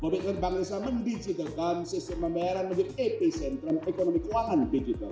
covid sembilan belas bank indonesia mendigitalkan sistem pembayaran menjadi epicenter ekonomi keuangan digital